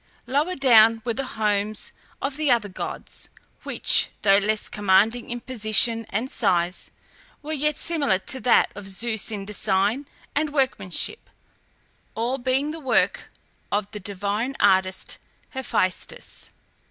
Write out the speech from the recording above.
Lower down were the homes of the other gods, which, though less commanding in position and size, were yet similar to that of Zeus in design and workmanship, all being the work of the divine artist Hephæstus.